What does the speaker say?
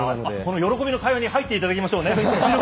喜びの会話に入っていただきましょう。